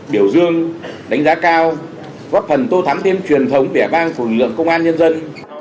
biểu dương đánh giá cao góp phần tô thám tiêm truyền thống vẻ vang phù lượng công an nhân dân